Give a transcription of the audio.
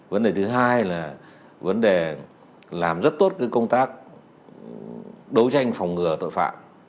vấn đề thứ hai là vấn đề làm rất tốt công tác đấu tranh phòng ngừa tội phạm